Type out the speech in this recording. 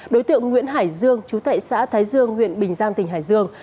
đối tượng nguyễn hải dương chú tệ xã thái dương huyện bình giang tỉnh hải dương